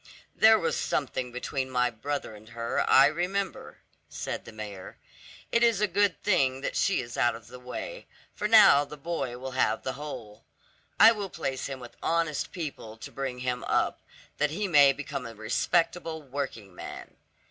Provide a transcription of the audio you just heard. "There was something between my brother and her, I remember," said the mayor; "it is a good thing that she is out of the way, for now the boy will have the whole. I will place him with honest people to bring him up, that he may become a respectable working man."